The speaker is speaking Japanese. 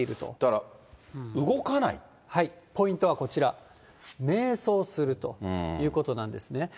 はい、ポイントはこちら、迷走するということなんですね。